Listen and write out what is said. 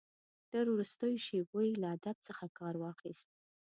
تر وروستیو شېبو یې له ادب څخه کار واخیست.